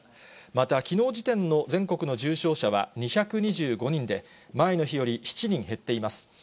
また、きのう時点の全国の重症者は２２５人で、前の日より７人減っています。